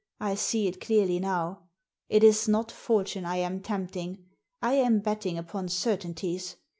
I see it clearly now. It is not Fortune I am tempting; I am betting upon certainties.